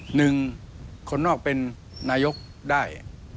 หนึ่งคนนอกเป็นนายกได้